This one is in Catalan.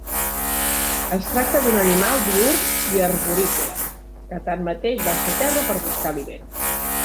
Es tracta d'un animal diürn i arborícola que tanmateix baixa a terra per buscar aliment.